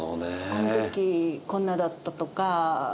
あの時こんなだったとか。